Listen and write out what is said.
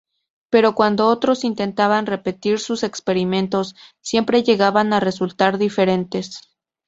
Pero, cuando otros intentaban repetir sus experimentos, siempre llegaban a resultados diferentes".